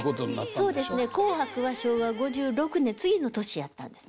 そうですね「紅白」は昭和５６年次の年やったんですね。